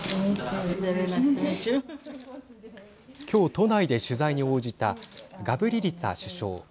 今日、都内で取材に応じたガブリリツァ首相。